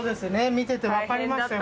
見てて分かりましたよ